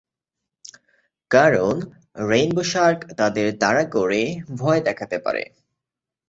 কারণ rainbow shark তাদের তাড়া করে ভয় দেখাতে পারে।